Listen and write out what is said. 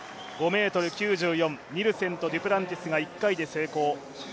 ５ｍ９４、ニルセンとデュプランティスが１回で成功。